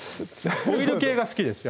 オイル系が好きです